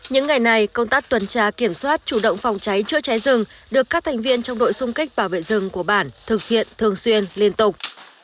những ngày này công tác tuần tra kiểm soát chủ động phòng cháy chữa cháy rừng được các thành viên trong đội xung kích bảo vệ rừng của bản thực hiện thường xuyên liên tục